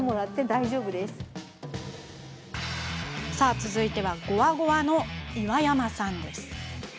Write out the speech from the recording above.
続いては、ごわごわの岩山さん。